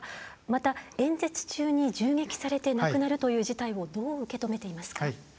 また、演説中に銃撃されて亡くなるという事態をどう受け止めていますか？